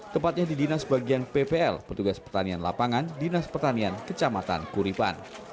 tepatnya di dinas bagian ppl petugas pertanian lapangan dinas pertanian kecamatan kuripan